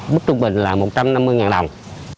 mức trung bình là một trăm năm mươi đồng